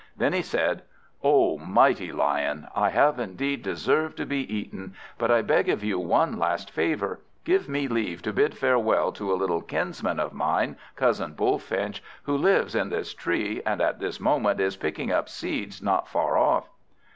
Then he said "O mighty Lion! I have indeed deserved to be eaten, but I beg of you one last favour. Give me leave to bid farewell to a little kinsman of mine, Cousin Bullfinch, who lives in this tree, and at this moment is picking up seeds not far off."